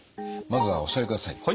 まずはお座りください。